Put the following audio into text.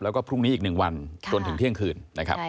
แล้วก็พรุ่งนี้อีก๑วันจนถึงเที่ยงคืนนะครับ